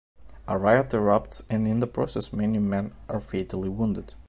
A riot erupts and in the process many men are fatally wounded.